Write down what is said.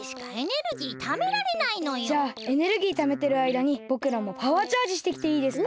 じゃあエネルギーためてるあいだにぼくらもパワーチャージしてきていいですか？